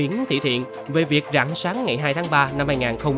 nói về việc rạng sáng ngày hai tháng ba năm hai nghìn hai mươi